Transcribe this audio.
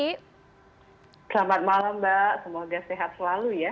selamat malam mbak semoga sehat selalu ya